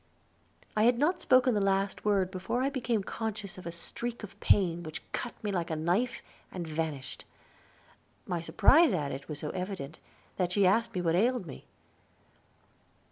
I had not spoken the last word before I became conscious of a streak of pain which cut me like a knife and vanished; my surprise at it was so evident that she asked me what ailed me."